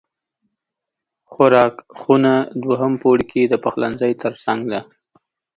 خوراک خونه دوهم پوړ کې د پخلنځی تر څنګ ده